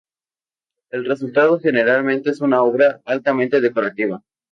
El resultado generalmente es una obra altamente decorativa.